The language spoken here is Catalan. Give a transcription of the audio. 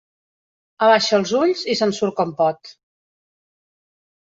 Abaixa els ulls i se'n surt com pot.